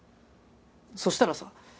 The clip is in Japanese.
そしたらさ